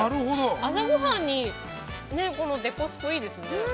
朝ごはんにこのデコスコいいですね。